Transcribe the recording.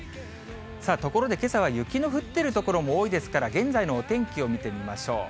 さあ、ところでけさは雪の降ってる所も多いですから、現在のお天気を見てみましょう。